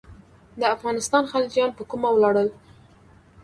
د افغانستان خلجیان پر کومه ولاړل.